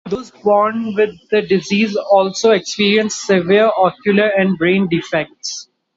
Those born with the disease also experience severe ocular and brain defects.